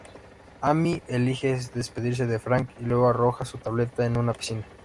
Amy elige despedirse de Frank y luego arroja su tableta en una piscina.